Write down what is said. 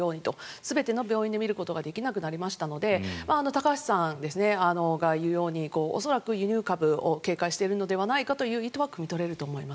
全ての病院で診ることができなくなりましたので高橋さんが言うように恐らく、輸入株を警戒しているのではないかという意図はくみ取れると思います。